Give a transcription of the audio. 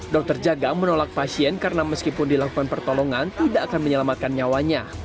dokter jaga menolak pasien karena meskipun dilakukan pertolongan tidak akan menyelamatkan nyawanya